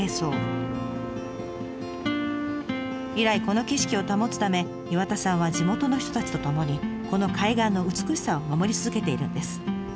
以来この景色を保つため岩田さんは地元の人たちとともにこの海岸の美しさを守り続けているんです。